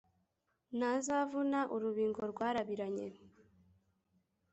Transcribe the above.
Ntazavuna urubingo rwarabiranye,